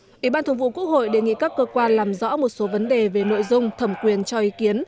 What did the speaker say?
ủy ban thường vụ quốc hội đề nghị các cơ quan làm rõ một số vấn đề về nội dung thẩm quyền cho ý kiến